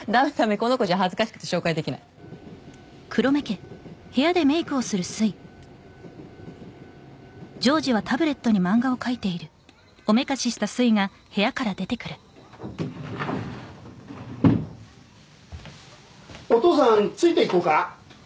この子じゃ恥ずかしくて紹介できないお父さんついていこうか？